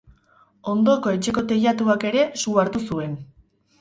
Ondoko etxeko teilatuak ere su hartu zuen.